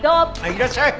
いらっしゃい。